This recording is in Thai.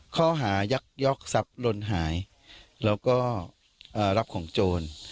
ข้อหายักษ์ย้อคทรัพย์ล่นหายเราก็รับของโจร